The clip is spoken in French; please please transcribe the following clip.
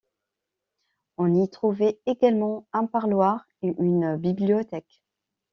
On y trouvait également un parloir et une bibliothèque.